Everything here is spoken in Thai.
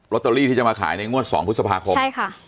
ตอรี่ที่จะมาขายในงวดสองพฤษภาคมใช่ค่ะ